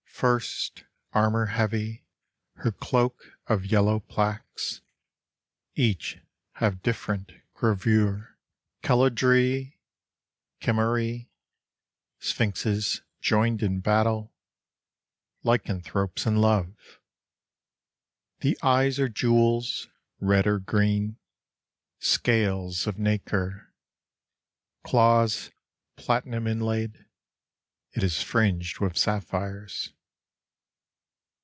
First, armour heavy, her cloak of yellow plaques; Each have diff'rent gravure ; chelydri, chimaerae, Sphinxes joined in battle, lycanthropes in love ; The eyes are jewels, red or green, scales of nacre, Claws platinum inlaid. It is fringed with sapphires.